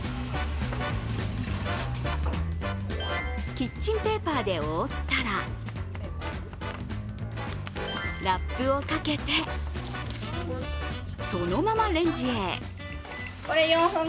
キッチンペーパーで覆ったら、ラップをかけて、そのままレンジへ。